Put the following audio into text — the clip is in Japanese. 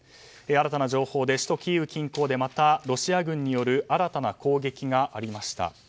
新たな情報で首都キーウ近郊でロシア軍による新たな攻撃がありました。